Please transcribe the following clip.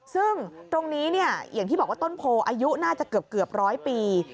ซึ่งตรงนี้เนี่ยอย่างที่บอกว่าต้นโพอายุน่าจะเกือบร้อยปี